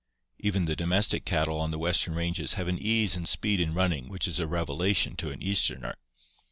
Even the domestic cattle on the western ranges have an ease and speed in running" which is a revelation to an easterner.